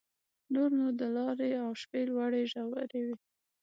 نور نو د لارې او شپې لوړې ژورې وې.